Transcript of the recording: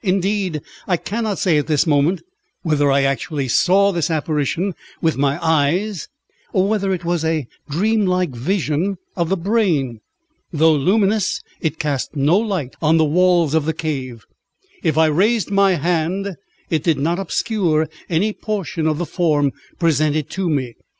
Indeed, I cannot say at this moment whether I actually saw this apparition with my eyes, or whether it was a dream like vision of the brain. Though luminous, it cast no light on the walls of the cave; if I raised my hand it did not obscure any portion of the form presented to me.